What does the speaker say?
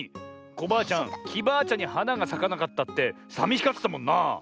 コバアちゃんきバアちゃんにはながさかなかったってさみしがってたもんな！